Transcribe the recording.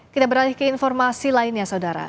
kita beralih ke informasi lainnya saudara